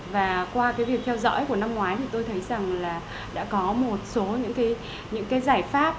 và qua cái việc theo dõi của năm ngoái thì tôi thấy rằng là đã có một số những cái giải pháp